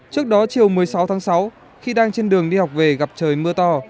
trước đó chiều một mươi sáu tháng sáu khi đang trên đường đi học về gặp trời mưa to